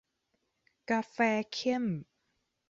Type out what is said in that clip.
กาแฟเข้ม